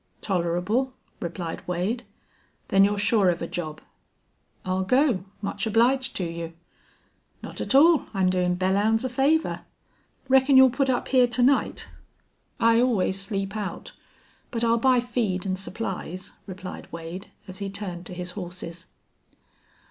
"Tolerable," replied Wade. "Then you're sure of a job." "I'll go. Much obliged to you." "Not a tall. I'm doin' Belllounds a favor. Reckon you'll put up here to night?" "I always sleep out. But I'll buy feed an' supplies," replied Wade, as he turned to his horses.